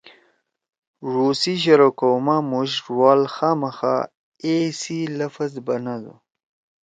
ڙو سی شروع کؤ ما مُوش ڙوال خامخا ”اے“ سی لفظ بنَدُو۔